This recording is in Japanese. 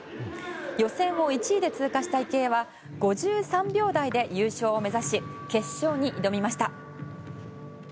予選を１位で通過した池江は５３秒台で優勝を目指し決勝に挑みました。